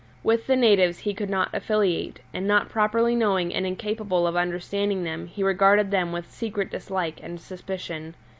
With the natives he could not affiliate, and not properly knowing and incapable of understanding them he regarded them with secret dislike and suspicion.